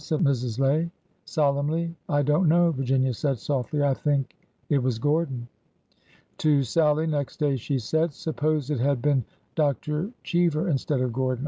said Mrs. Lay, sol emnly. I don't know," Virginia said softly. I think— it was Gordon." To Sallie next day she said : Suppose it had been Dr. Cheever instead of Gordon